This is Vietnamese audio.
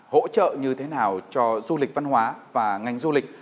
hỗ trợ như thế nào cho du lịch văn hóa và ngành du lịch